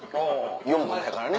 ４コマやからね。